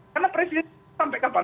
karena presiden sampai kapan